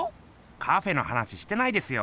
カフェの話してないですよ。